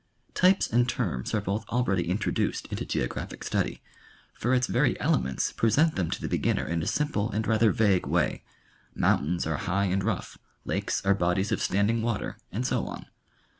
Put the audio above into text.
Types and terms are both already in troduced into geographic study, for its very elements present them to the beginner in a simple and rather vague way : moun tains are high and rough ; lakes are bodies of standing water, and so on.